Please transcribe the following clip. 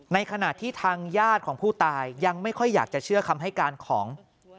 ในขณะที่ทางญาติของผู้ตายยังไม่ค่อยอยากจะเชื่อคำให้การของ